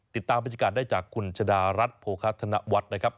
ติดตามบัญชาการได้จากคุณชดารัฐโภคาธนวัดนะครับ